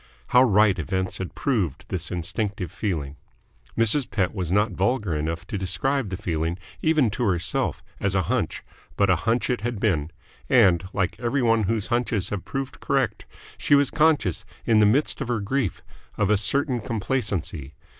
How right events had proved this instinctive feeling. Mrs. Pett was not vulgar enough to describe the feeling, even to herself, as a hunch, but a hunch it had been; and, like every one whose hunches have proved correct, she was conscious in the midst of her grief of a certain complacency.